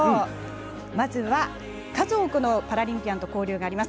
まずは数多くのパラリンピアンと交流があります